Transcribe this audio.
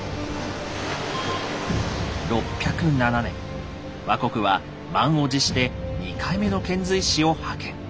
６０７年倭国は満を持して２回目の遣隋使を派遣。